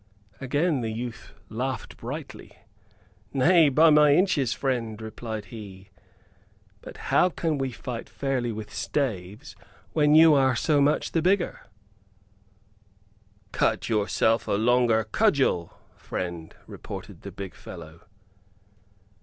Again the youth laughed brightly. "Nay, by my inches, friend," replied he, "but how can we fight fairly with staves when you are so much the bigger?" "Cut yourself a longer cudgel, friend," retorted the big fellow.